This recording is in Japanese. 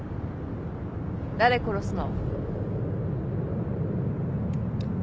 誰殺すの？